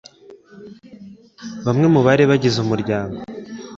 bamwe mu bari bagize umuryango